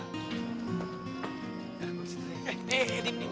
sekar ke sini